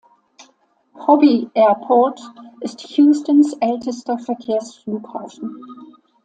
Hobby Airport ist Houstons ältester Verkehrsflughafen.